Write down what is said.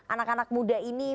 anak anak muda ini